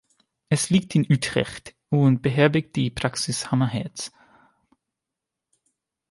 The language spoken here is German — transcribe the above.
Es liegt in Utrecht und beherbergt die Praxis Hammerheads.